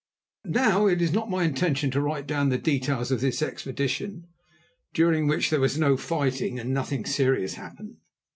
Now it is not my intention to write down the details of this expedition, during which there was no fighting and nothing serious happened.